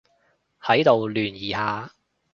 喺度聯誼下